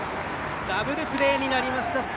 ダブルプレーになりました。